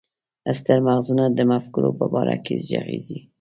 ستر مغزونه د مفکورو په باره کې ږغيږي.